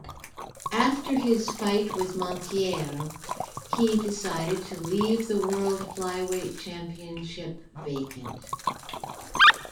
After his fight with Monteiro, he decided to leave the world Flyweight championship vacant.